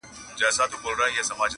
ښکاري و ویشتی هغه موږک یارانو.